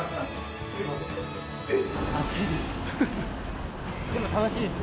暑いです。